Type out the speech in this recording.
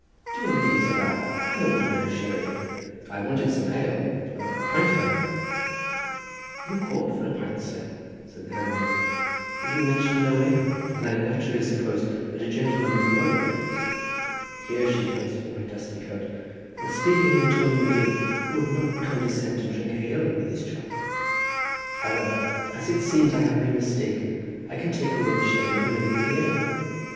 "Dear me," said I, "I ordered no sherry, I wanted some ale—a pint of ale." "You called for a pint, sir," said the handmaid, "but you mentioned no ale, and I naturally supposed that a gentleman of your appearance"—here she glanced at my dusty coat—"and speaking in the tone you did, would not condescend to drink ale with his chop; however, as it seems I have been mistaken, I can take away the sherry and bring you the ale."